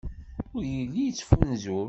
Ur yelli yettfunzur.